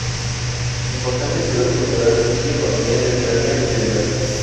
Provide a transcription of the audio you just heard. Importante ciudad cultural y económica de Ucrania occidental.